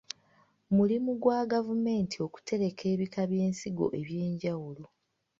Mulimu gwa gavumenti okutereka ebika by'ensigo eby'enjawulo.